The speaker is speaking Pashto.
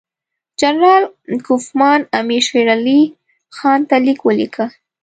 جنرال کوفمان امیر شېر علي خان ته لیک ولیکه.